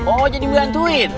oh jadi gantuin